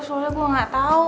soalnya gue gak tau